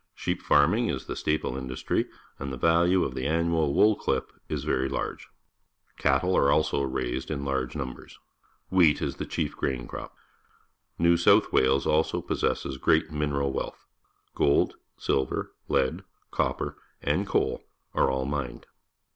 Sheep farming is the staple industry, and the value of the annual wool Chp is very large. Catje ^ Artesian Well, Australia are also raised in large numbers. "UTieat is the chief grain crop. New South Wales also possesses great mineral wealth. Gold^ilver, lead, copper, and coal are all mined.